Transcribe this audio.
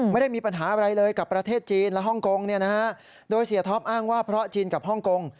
ไม่ได้มีปัญหาอะไรเลยกับประเทศจีนและฮ่องกงโดยเสียท็อปอ้างว่าเพราะจีนกับฮ่องกง